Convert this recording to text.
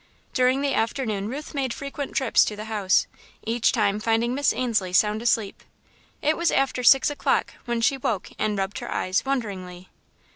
During the afternoon Ruth made frequent trips to the house, each time finding Miss Ainslie sound asleep. It was after six o'clock when she woke and rubbed her eyes, wonderingly.